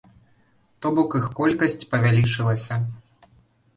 То бок іх колькасць павялічылася.